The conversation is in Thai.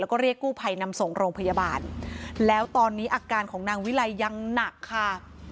แล้วก็เรียกกู้ภัยนำส่งโรงพยาบาลแล้วตอนนี้อาการของนางวิไลยังหนักค่ะ